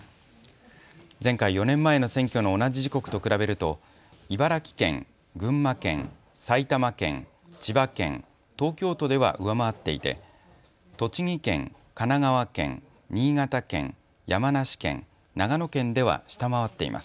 前回・４年前の選挙の同じ時刻と比べると茨城県、群馬県、埼玉県、千葉県、東京都では上回っていて栃木県、神奈川県、新潟県、山梨県、長野県では下回っています。